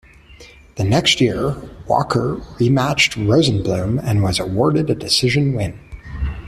The next year, Walker rematched Rosenbloom and was awarded a decision win.